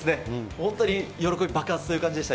本当に喜び爆発という感じでした。